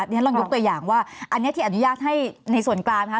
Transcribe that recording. เดี๋ยวฉันลองยกตัวอย่างว่าอันนี้ที่อนุญาตให้ในส่วนกลางนะคะ